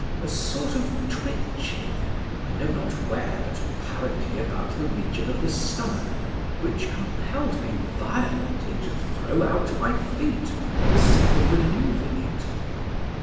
a sort of twitching (I know not where, but apparently about the region of the stomach) which compelled me violently to throw out my feet for the sake of relieving it.